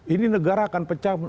ini negara akan pecah nggak ada